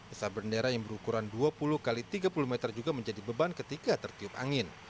isap bendera yang berukuran dua puluh x tiga puluh meter juga menjadi beban ketika tertiup angin